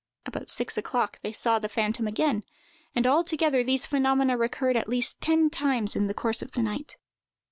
About six o'clock, they saw the phantom again; and altogether these phenomena recurred at least ten times in the course of the night.